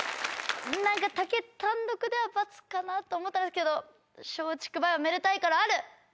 何かタケ単独では「×」かなと思ったんですけど松竹梅はめでたいからある！